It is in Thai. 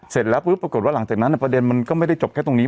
เสร็จแล้วปุ๊บปรากฏว่าหลังจากนั้นประเด็นมันก็ไม่ได้จบแค่ตรงนี้